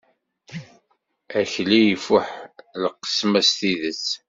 Akli ifuḥ, lqesma-s ẓidet.